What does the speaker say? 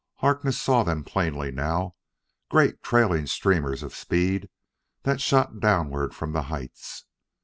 Harkness saw them plainly now great trailing streamers of speed that shot downward from the heights.